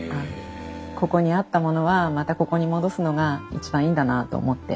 ここにあったものはまたここに戻すのが一番いいんだなと思って。